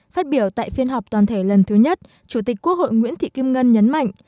phát biểu tại phiên họp toàn thể lần thứ nhất chủ tịch quốc hội nguyễn thị kim ngân nhấn mạnh